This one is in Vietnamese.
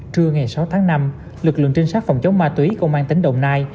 trưa ngày sáu tháng năm lực lượng trinh sát phòng chống ma túy công an tỉnh đồng nai